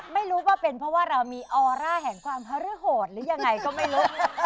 ไม่รู้ว่าเป็นเพราะว่าเรามีออร่าแห่งความฮารือโหดหรือยังไงก็ไม่รู้